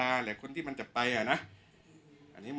ช่างแอร์เนี้ยคือล้างหกเดือนครั้งยังไม่แอร์